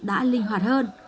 đã linh hoạt hơn